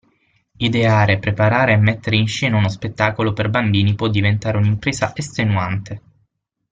Ideare, preparare e mettere in scena uno spettacolo per bambini può diventare un'impresa estenuante.